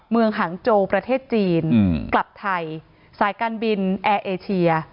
หังโจประเทศจีนกลับไทยสายการบินแอร์เอเชีย